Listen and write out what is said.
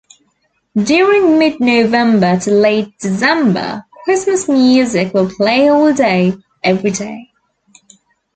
During mid-November to Late-December, Christmas music will play all day every day.